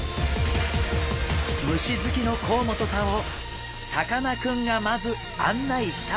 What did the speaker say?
虫好きの甲本さんをさかなクンがまず案内したのは。